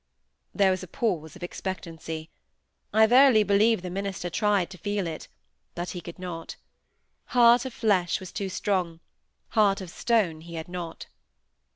'" There was a pause of expectancy. I verily believe the minister tried to feel it; but he could not. Heart of flesh was too strong. Heart of stone he had not.